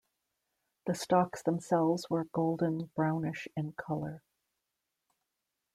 The stalks themselves were golden brownish in colour.